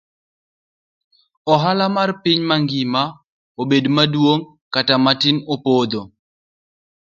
Ohala mar piny mangima, obed maduong' kata matin opodho.